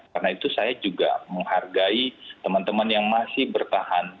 karena itu saya juga menghargai teman teman yang masih bertahan